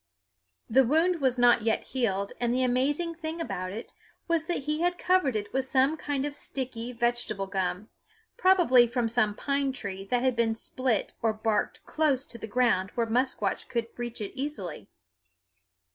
The wound was not yet healed, and the amazing thing about it was that he had covered it with some kind of sticky vegetable gum, probably from some pine tree that had been split or barked close to the ground where Musquash could reach it easily.